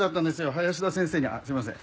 林田先生にあっすいません。